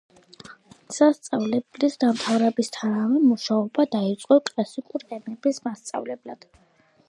სასწავლებლის დამთავრებისთანავე მუშაობა დაიწყო კლასიკური ენების მასწავლებლად.